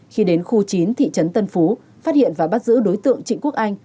khi đến khu chín thị trấn tân phú phát hiện và bắt giữ đối tượng trịnh quốc anh